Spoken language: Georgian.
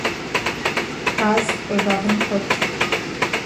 ბაზს კვებავენ ხორცით.